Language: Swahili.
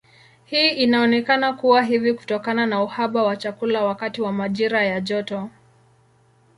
Hii inaonekana kuwa hivi kutokana na uhaba wa chakula wakati wa majira ya joto.